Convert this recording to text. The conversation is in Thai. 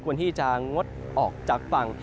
ควรที่จะงดออกจากฝั่ง